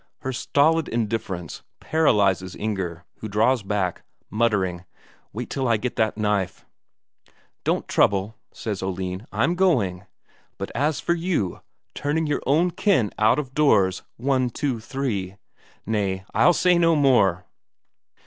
Her stolid indifference paralyses Inger, who draws back, muttering: "Wait till I get that knife." "Don't trouble," says Oline. "I'm going. But as for you, turning your own kin out of doors one two three.... Nay, I'll say no more."